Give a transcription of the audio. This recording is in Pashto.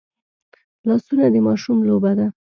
لاسونه د ماشوم لوبه ده